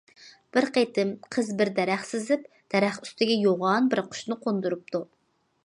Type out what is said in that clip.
بىر قېتىم قىز بىر دەرەخ سىزىپ، دەرەخ ئۈستىگە يوغان بىر قۇشنى قوندۇرۇپتۇ.